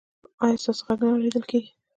ایا ستاسو غږ نه اوریدل کیږي؟